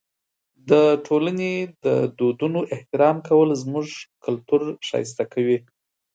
د ټولنې د دودونو احترام کول زموږ کلتور ښایسته کوي.